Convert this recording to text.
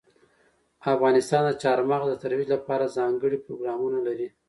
افغانستان د چار مغز د ترویج لپاره ځانګړي پروګرامونه لري.